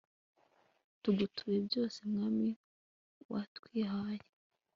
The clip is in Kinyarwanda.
tugutuye byose mwami watwihaye